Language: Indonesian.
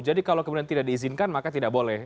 jadi kalau kemudian tidak diizinkan maka tidak boleh